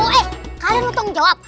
eh kalian lho tau ngejawab